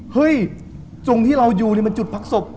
เฮ้ยจุดที่เราอยู่นี่มันจุดพักศพ